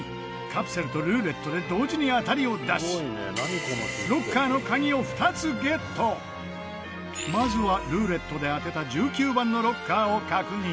カプセルとルーレットで同時に当たりを出しロッカーの鍵を２つゲットまずはルーレットで当てた１９番のロッカーを確認